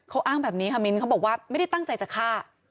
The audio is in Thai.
เอิ้งแมบนี้มิลเขาบอกว่าไม่ได้ตั้งใจจะฆ่า